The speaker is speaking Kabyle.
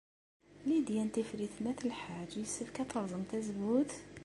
Lidya n Tifrit n At Lḥaǧ yessefk ad terẓem tazewwut?